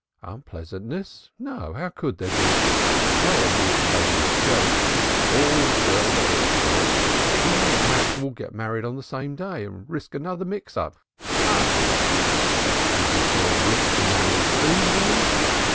"Unpleasantness. No, how could there be? Leah knew it was only a joke. All's well that ends well, and we may perhaps all get married on the same day and risk another mix up. Ha! Ha! Ha!" "Is it your wish to marry soon, then?"